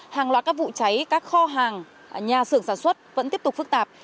hàng loạt các vụ cháy các kho hàng nhà xưởng sản xuất vẫn tiếp tục phức tạp